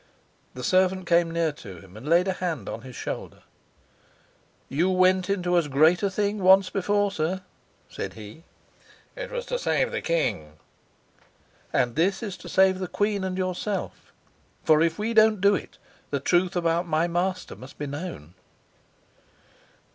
The servant came near to him, and laid a hand on his shoulder. "You went into as great a thing once before, sir," said he. "It was to save the king." "And this is to save the queen and yourself. For if we don't do it, the truth about my master must be known."